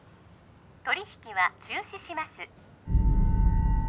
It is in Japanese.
取り引きは中止します